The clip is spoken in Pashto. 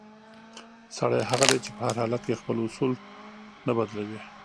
سړی هغه دی چې په هر حالت کې خپل اصول نه بدلوي.